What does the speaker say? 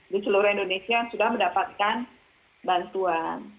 di seluruh indonesia sudah mendapatkan bantuan